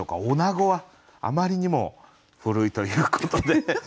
「おなご」はあまりにも古いということで。